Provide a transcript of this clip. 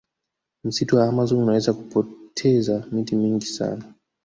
msitu wa amazon unaweza kupoteza miti mingi sana